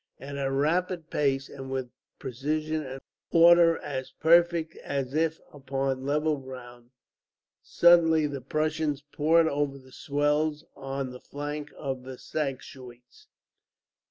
At a rapid pace, and with a precision and order as perfect as if upon level ground, suddenly the Prussians poured over the swells on the flank of Sagschuetz.